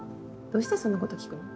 どうしてそんな事聞くの？